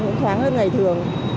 nó cũng thoáng hơn ngày thường